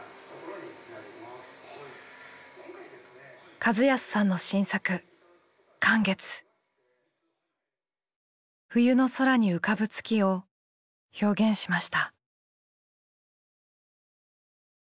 和康さんの新作冬の空に浮かぶ月を表現しました。